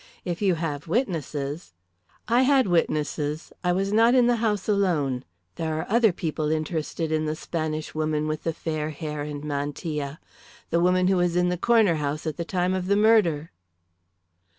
If you have witnesses " "I had witnesses; I was not in the house alone. There are other people interested in the Spanish woman with the fair hair and mantilla the woman who was in the Corner House at the time of the murder!"